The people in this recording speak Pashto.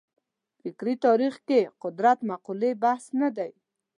فکري تاریخ کې قدرت مقولې بحث نه دی.